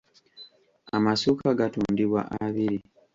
Amasuuka gatundibwa abiri.